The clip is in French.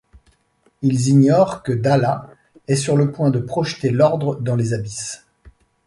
Ils ignorent que Daala est sur le point de projeter l'Ordre dans les abysses...